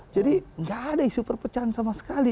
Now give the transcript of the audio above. jadi tidak ada isu perpecahan sama sekali